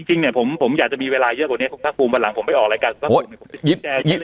จริงผมอยากจะมีเวลาเยอะกว่านี้ภาคภูมิวันหลังผมไปออกรายการ